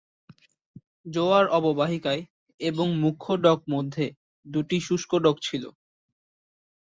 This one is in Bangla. জোয়ার অববাহিকায় এবং মুখ্য ডক মধ্যে দুটি শুষ্ক ডক ছিল।